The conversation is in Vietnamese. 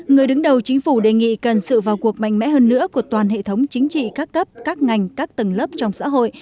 người đứng đầu chính phủ đề nghị cần sự vào cuộc mạnh mẽ hơn nữa của toàn hệ thống chính trị các cấp các ngành các tầng lớp trong xã hội